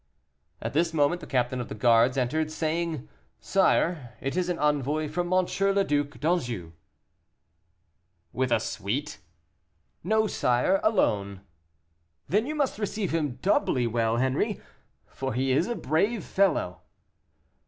At this moment the captain of the guards entered, saying, "Sire, it is an envoy from M. le Duc d'Anjou." "With a suite?" "No, sire, alone." "Then you must receive him doubly well, Henri, for he is a brave fellow."